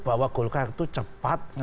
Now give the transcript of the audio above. bahwa golkar itu cepat